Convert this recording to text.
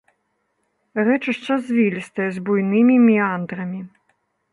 Рэчышча звілістае, з буйнымі меандрамі.